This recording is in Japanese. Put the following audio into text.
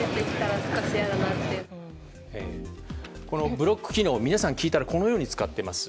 ブロック機能皆さんに聞いたらこのように使っています。